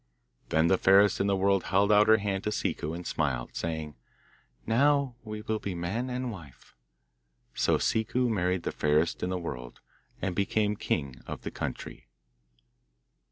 Then the fairest in the world held out her hand to Ciccu and smiled, saying, 'Now we will be man and wife.' So Ciccu married the fairest in the world, and became king of the country.